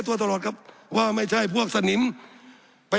สับขาหลอกกันไปสับขาหลอกกันไป